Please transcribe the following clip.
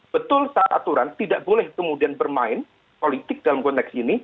betul saat aturan tidak boleh kemudian bermain politik dalam konteks ini